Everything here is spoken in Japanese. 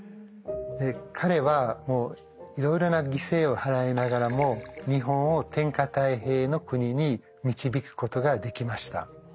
彼はいろいろな犠牲を払いながらも日本を天下泰平の国に導くことができました。